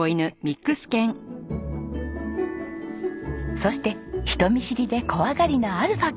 そして人見知りで怖がりなアルファ君。